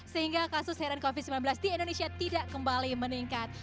sehingga kasus heran covid sembilan belas di indonesia tidak kembali meningkat